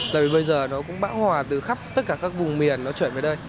tại vì bây giờ nó cũng bão hòa từ khắp tất cả các vùng miền nó chuyển về đây